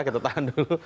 kita tahan dulu